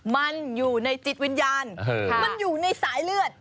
มันอยู่ในสายเลือด